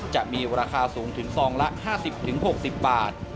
จะมีราคาสูงถึงซองละ๕๐๖๐บาท